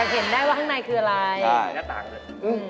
แต่เห็นได้ว่ามีพื้นใกล้มากเลย